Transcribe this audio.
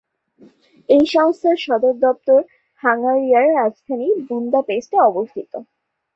এই সংস্থার সদর দপ্তর হাঙ্গেরির রাজধানী বুদাপেস্টে অবস্থিত।